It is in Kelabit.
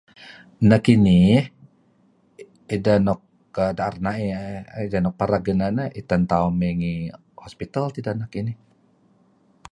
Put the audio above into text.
Nekinih ideh nuk daet reaey ideh nuk pereg itan tauh may ngi hospital teh ideh nehkinih.